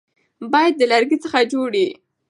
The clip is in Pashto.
بیټ د لرګي څخه جوړ يي.